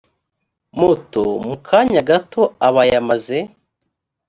moto mu kanya gato aba yamaze